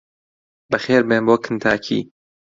بەخێربێن بۆ کنتاکی!